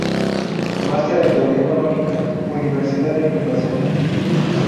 Máster en Teoría Económica, Universidad de Minnesota.